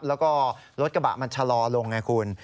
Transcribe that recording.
แล้วก็รถกระบะมันชะลอลงไงคุณ